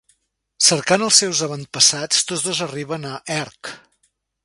Cercant els seus avantpassats, tots dos arriben a Ercc.